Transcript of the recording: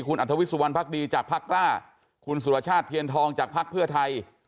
คุณอัธวิสุวรรณภักดีจากพักกล้าคุณสุรชาติเทียนทองจากภักดิ์เพื่อไทย